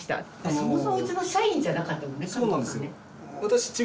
そもそもうちの社員じゃなかったもんね金子さんね。